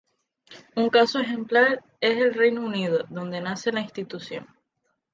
Un caso ejemplar es el Reino Unido, donde nace la institución.